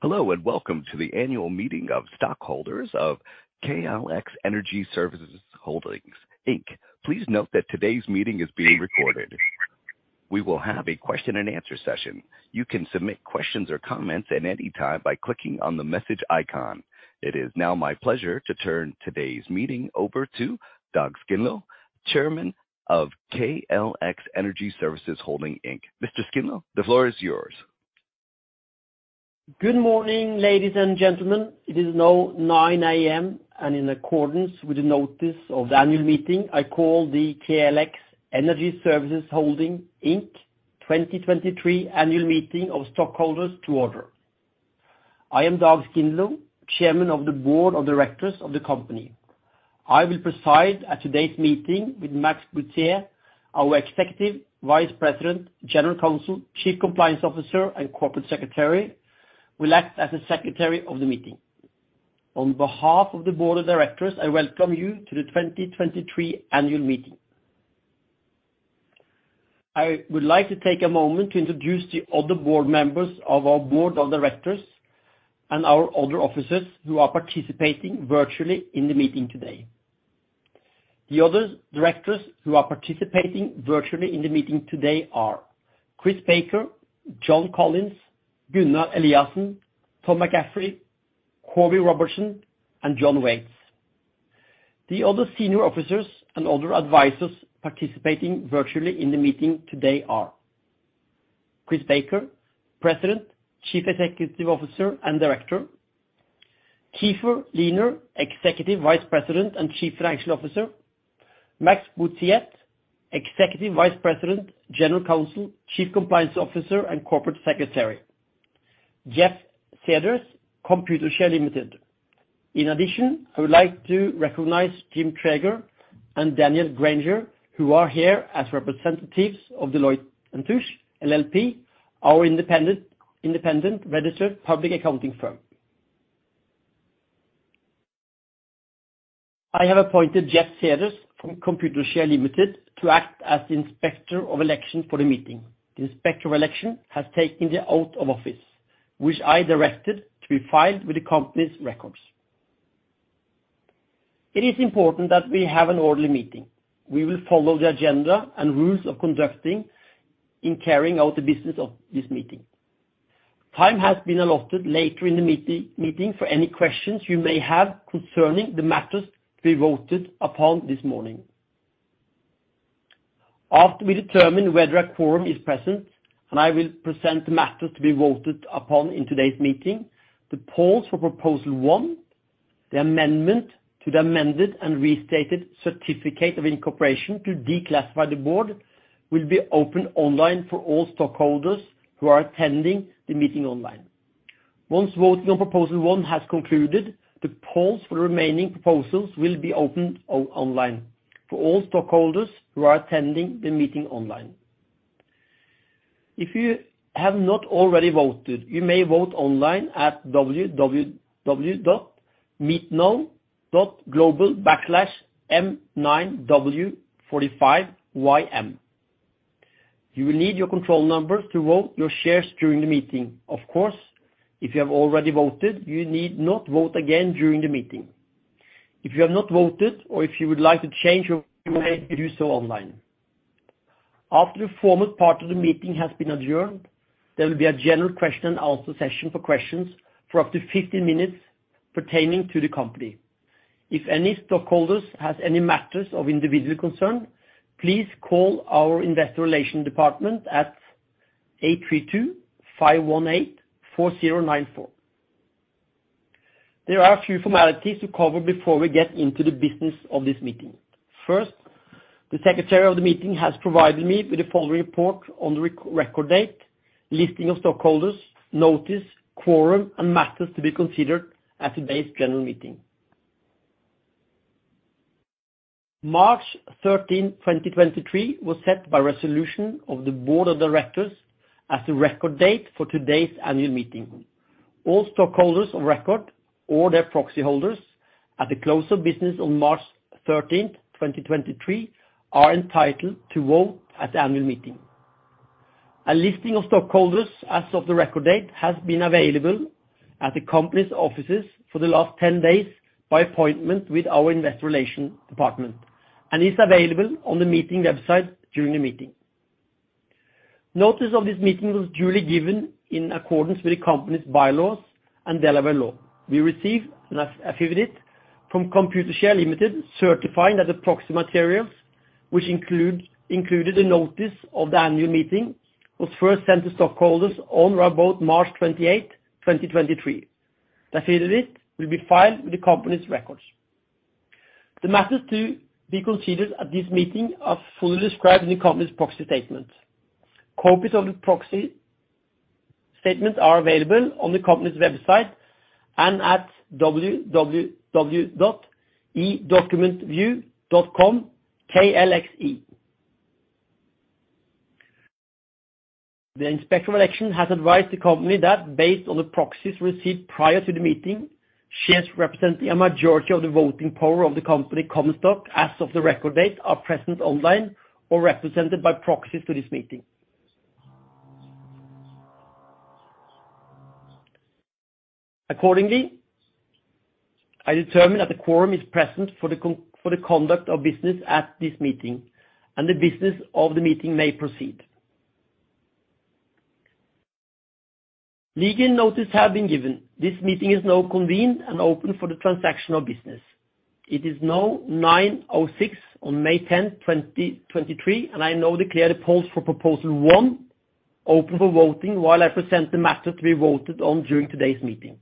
Hello, welcome to the annual meeting of stockholders of KLX Energy Services Holdings, Inc. Please note that today's meeting is being recorded. We will have a question and answer session. You can submit questions or comments at any time by clicking on the message icon. It is now my pleasure to turn today's meeting over to Dag Skindlo, Chairman of KLX Energy Services Holdings, Inc. Mr. Skindlo, the floor is yours. Good morning, ladies and gentlemen. It is now 9:00 A.M., and in accordance with the notice of the Annual Meeting, I call the KLX Energy Services Holdings, Inc. 2023 Annual Meeting of Stockholders to order. I am Dag Skindlo, Chairman of the Board of Directors of the company. I will preside at today's meeting with Max Bouthillette, our Executive Vice President, General Counsel, Chief Compliance Officer, and Corporate Secretary, will act as the Secretary of the meeting. On behalf of the Board of Directors, I welcome you to the 2023 annual meeting. I would like to take a moment to introduce the other board members of our Board of Directors and our other officers who are participating virtually in the meeting today. The other directors who are participating virtually in the meeting today are Chris Baker, John Collins, Gunnar Eliassen, Tom McCaffrey, Corby Robertson, and John Whates. The other senior officers and other advisors participating virtually in the meeting today are Chris Baker, President, Chief Executive Officer, and Director. Keefer Lehner, Executive Vice President and Chief Financial Officer. Max Bouthillette, Executive Vice President, General Counsel, Chief Compliance Officer, and Corporate Secretary. Jeff Cedars, Computershare Limited. In addition, I would like to recognize Jim Traeger and Daniel Granger, who are here as representatives of Deloitte & Touche LLP, our independent registered public accounting firm. I have appointed Jeff Cedars from Computershare Limited to act as Inspector of Election for the meeting. The Inspector of Election has taken the oath of office, which I directed to be filed with the company's records. It is important that we have an orderly meeting. We will follow the agenda and rules of conducting in carrying out the business of this meeting. Time has been allotted later in the meeting for any questions you may have concerning the matters to be voted upon this morning. After we determine whether a quorum is present, I will present the matters to be voted upon in today's meeting, the polls for Proposal One, the Amendment to the Amended and Restated Certificate of Incorporation to declassify the board, will be open online for all stockholders who are attending the meeting online. Once voting on proposal one has concluded, the polls for the remaining proposals will be opened online for all stockholders who are attending the meeting online. If you have not already voted, you may vote online at www.meetnow.global/M9W45YM. You will need your control numbers to vote your shares during the meeting. Of course, if you have already voted, you need not vote again during the meeting. If you have not voted or if you would like to change your vote, you may do so online. After the formal part of the meeting has been adjourned, there will be a general question-and-answer-session for questions for up to 15 minutes pertaining to the company. If any stockholders has any matters of individual concern, please call our investor relation department at 832-518-4094. There are a few formalities to cover before we get into the business of this meeting. First, the secretary of the meeting has provided me with a full report on the record date, listing of stockholders, notice, quorum, and matters to be considered at today's general meeting. March 13, 2023, was set by resolution of the Board of Directors as the record date for today's annual meeting. All stockholders of record or their proxy holders at the close of business on March 13, 2023, are entitled to vote at the annual meeting. A listing of stockholders as of the record date has been available at the company's offices for the last 10 days by appointment with our investor relation department and is available on the meeting website during the meeting. Notice of this meeting was duly given in accordance with the company's bylaws and Delaware law. We received an affidavit from Computershare Limited certifying that the proxy materials, which included a notice of the annual meeting, was first sent to stockholders on or about March 28, 2023. The affidavit will be filed with the company's records. The matters to be considered at this meeting are fully described in the company's proxy statement. Copies of the proxy statement are available on the company's website and at www.edocumentview.com/KLXE. The Inspector of Election has advised the company that based on the proxies received prior to the meeting. Shares representing a majority of the voting power of the company common stock as of the record date are present online or represented by proxies to this meeting. Accordingly, I determine that the quorum is present for the conduct of business at this meeting, and the business of the meeting may proceed. Legal notice have been given. This meeting is now convened and open for the transactional business. It is now 9:06 A.M. on May 10, 2023. I now declare the polls for Proposal one open for voting while I present the matter to be voted on during today's meeting.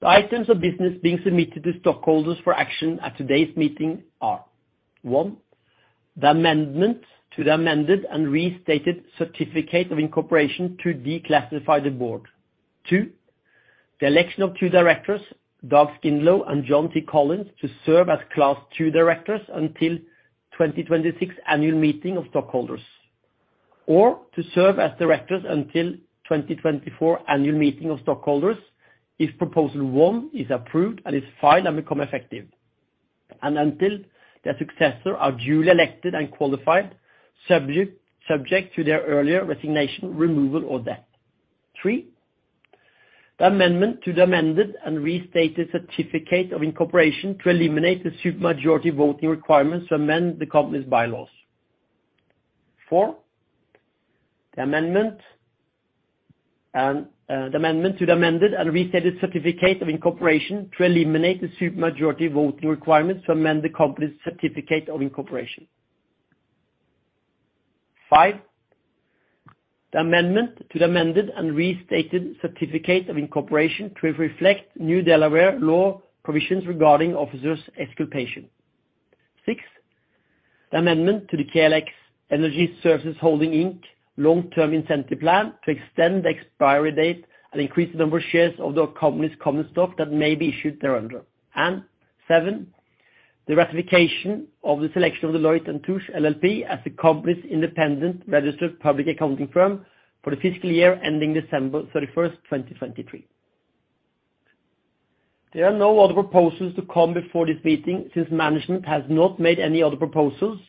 The items of business being submitted to stockholders for action at today's meeting are. One. the amendment to the amended and restated certificate of incorporation to declassify the board. Two, the election of two directors, Dag Skindlo and John T. Collins, to serve as Class II directors until 2026 annual meeting of stockholders, or to serve as directors until 2024 annual meeting of stockholders if Proposal 1 is approved and is filed and become effective, and until their successors are duly elected and qualified, subject to their earlier resignation, removal, or death. Three, the amendment to the amended and restated certificate of incorporation to eliminate the super majority voting requirements to amend the company's bylaws. Four, the amendment to the amended and restated certificate of incorporation to eliminate the super majority voting requirements to amend the company's certificate of incorporation. Five, the amendment to the amended and restated certificate of incorporation to reflect new Delaware law provisions regarding officers' exculpation. Six, the amendment to the KLX Energy Services Holdings, Inc. Long-Term Incentive Plan to extend the expiry date and increase the number of shares of the company's common stock that may be issued thereunder. Seven, the ratification of the selection of Deloitte & Touche LLP as the company's independent registered public accounting firm for the fiscal year ending December 31st, 2023. There are no other proposals to come before this meeting since management has not made any other proposals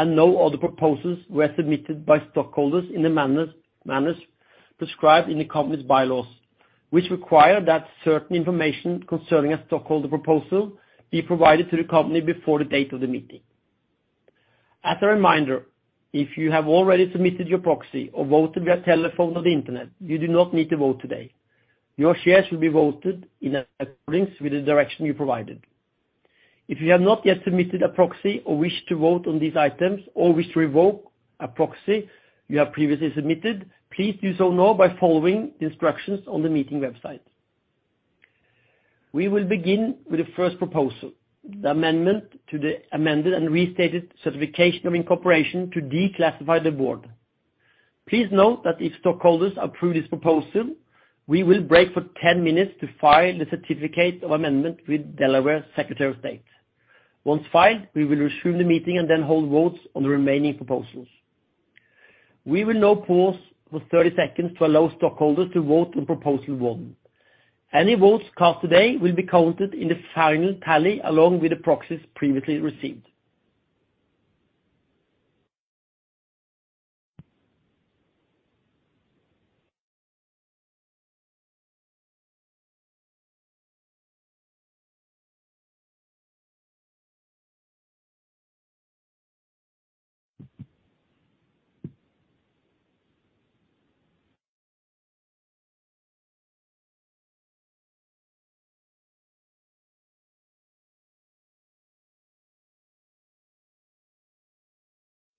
and no other proposals were submitted by stockholders in the manners prescribed in the company's bylaws, which require that certain information concerning a stockholder proposal be provided to the company before the date of the meeting. As a reminder, if you have already submitted your proxy or voted via telephone or the internet, you do not need to vote today. Your shares will be voted in accordance with the direction you provided. If you have not yet submitted a proxy or wish to vote on these items or wish to revoke a proxy you have previously submitted, please do so now by following the instructions on the meeting website. We will begin with the first proposal, the amendment to the amended and restated certificate of incorporation to declassify the board. Please note that if stockholders approve this proposal, we will break for 10 minutes to file the certificate of amendment with Delaware Secretary of State. Once filed, we will resume the meeting and then hold votes on the remaining proposals. We will now pause for 30 seconds to allow stockholders to vote on proposal one. Any votes cast today will be counted in the final tally along with the proxies previously received.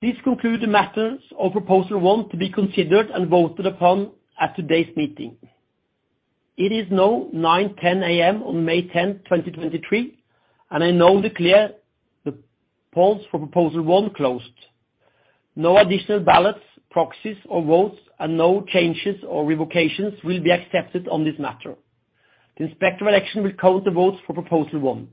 This concludes the matters of proposal one to be considered and voted upon at today's meeting. It is now 9:10 A.M. on May 10th, 2023, I now declare the polls for Proposal 1 closed. No additional ballots, proxies or votes, and no changes or revocations will be accepted on this matter. The Inspector Election will count the votes for Proposal 1.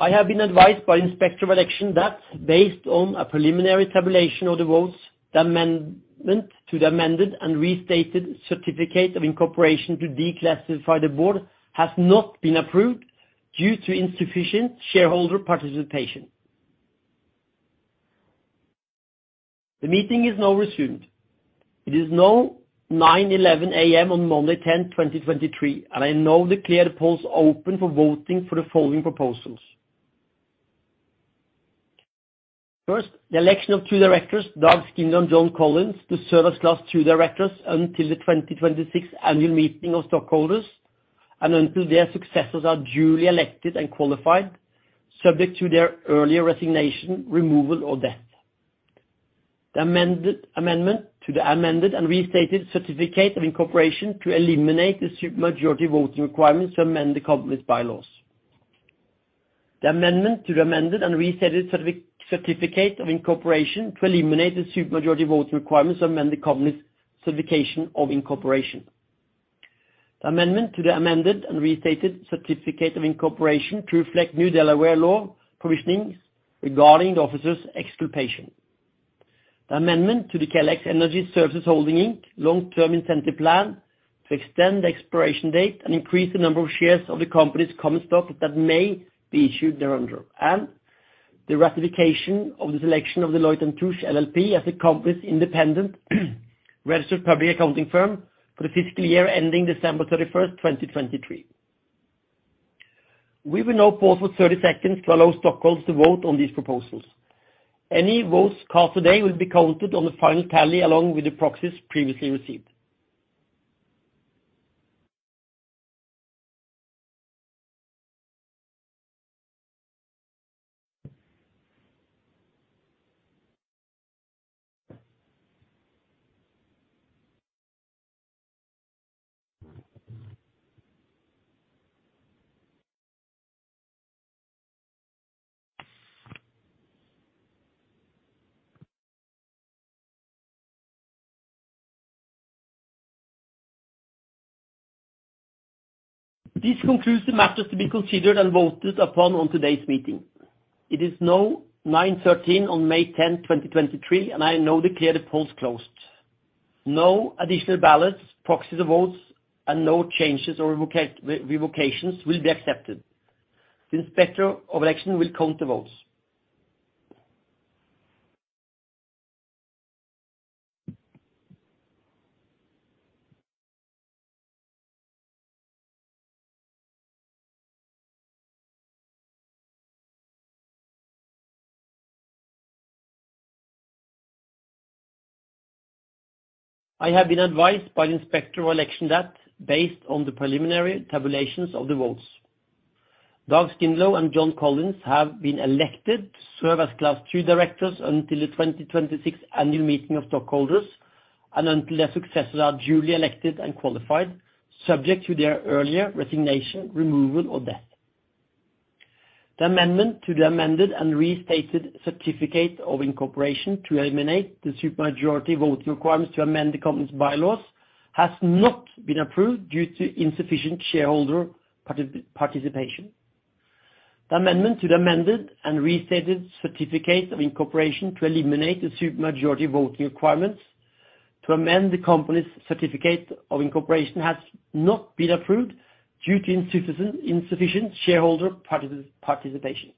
I have been advised by Inspector Election that based on a preliminary tabulation of the votes, the amendment to the amended and restated certificate of incorporation to declassify the board has not been approved due to insufficient shareholder participation. The meeting is now resumed. It is now 9:11 A.M. on Monday, 10th, 2023, I now declare the polls open for voting for the following proposals. The election of two directors, Dag Skindlo and John Collins, to serve as Class 2 directors until the 2026 annual meeting of stockholders and until their successors are duly elected and qualified, subject to their earlier resignation, removal, or death. The amendment to the amended and restated certificate of incorporation to eliminate the super majority voting requirements to amend the company's bylaws. The amendment to the amended and restated certificate of incorporation to eliminate the super majority voting requirements to amend the company's certification of incorporation. The amendment to the amended and restated certificate of incorporation to reflect new Delaware law provisions regarding the officers' exculpation. The amendment to the KLX Energy Services Holdings, Inc. Long-Term Incentive Plan to extend the expiration date and increase the number of shares of the company's common stock that may be issued thereunder, and the ratification of the selection of Deloitte & Touche LLP as the company's independent registered public accounting firm for the fiscal year ending December 31st, 2023. We will now pause for 30 seconds to allow stockholders to vote on these proposals. Any votes cast today will be counted on the final tally along with the proxies previously received. This concludes the matters to be considered and voted upon on today's meeting. It is now 9:13 A.M. on May 10th, 2023, and I now declare the polls closed. No additional ballots, proxies, or votes, and no changes or revocations will be accepted. The Inspector of Election will count the votes. I have been advised by the Inspector of Election that based on the preliminary tabulations of the votes, Dag Skindlo and John Collins have been elected to serve as Class 3 directors until the 2026 annual meeting of stockholders and until their successors are duly elected and qualified, subject to their earlier resignation, removal, or death. The amendment to the amended and restated certificate of incorporation to eliminate the super majority voting requirements to amend the company's bylaws has not been approved due to insufficient shareholder participation. The amendment to the amended and restated certificate of incorporation to eliminate the super majority voting requirements to amend the company's certificate of incorporation has not been approved due to insufficient shareholder participation.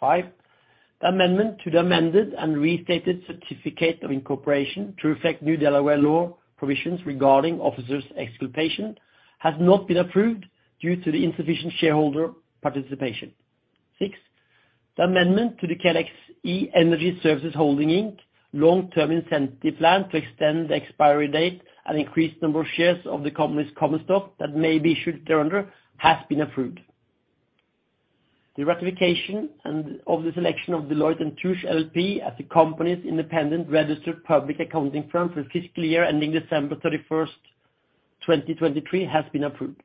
5, the amendment to the amended and restated certificate of incorporation to reflect new Delaware law provisions regarding officers' exculpation has not been approved due to the insufficient shareholder participation. 6, the amendment to the KLX Energy Services Holdings, Inc. Long-Term Incentive Plan to extend the expiry date and increase number of shares of the company's common stock that may be issued thereunder has been approved. The ratification of the selection of Deloitte & Touche LLP as the company's independent registered public accounting firm for the fiscal year ending December 31, 2023, has been approved.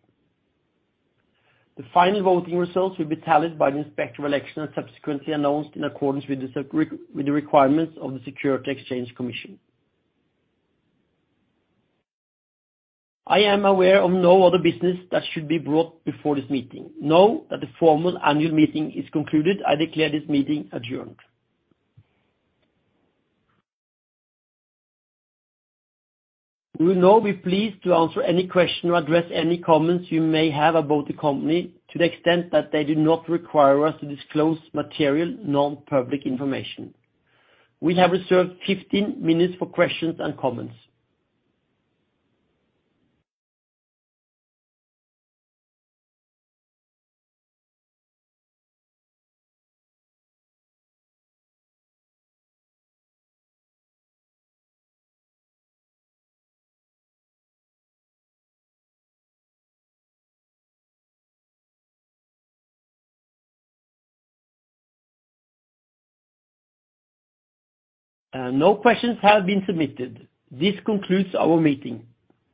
The final voting results will be tallied by the Inspector of Election and subsequently announced in accordance with the requirements of the Securities and Exchange Commission. I am aware of no other business that should be brought before this meeting. Now that the formal annual meeting is concluded, I declare this meeting adjourned. We will now be pleased to answer any questions or address any comments you may have about the company, to the extent that they do not require us to disclose material non-public information. We have reserved 15 minutes for questions and comments. No questions have been submitted. This concludes our meeting.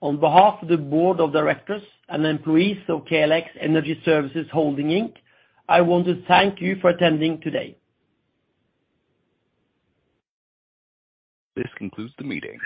On behalf of the Board of Directors and employees of KLX Energy Services Holdings, Inc., I want to thank you for attending today. This concludes the meeting.